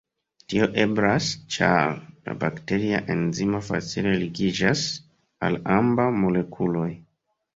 Tio eblas, ĉar la bakteria enzimo facile ligiĝas al ambaŭ molekuloj.